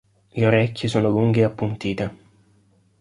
Le orecchie sono lunghe ed appuntite.